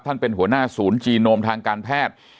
เป็นหัวหน้าศูนย์จีโนมทางการแพทย์